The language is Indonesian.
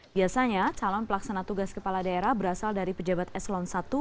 biasanya calon pelaksana tugas kepala daerah berasal dari pejabat eselon i